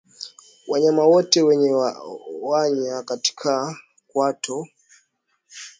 Wanyama wote wenye mwanya katika kwato zao wako katika hatari ya kuambukizwa ugonjwa huu